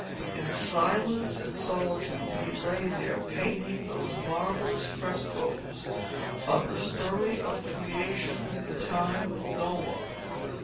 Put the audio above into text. In silence and solitude he lay there painting those marvellous frescoes of the story of the Creation to the time of Noah.